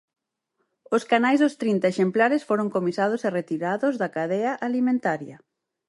Os canais dos trinta exemplares foron comisados e retirados da cadea alimentaria.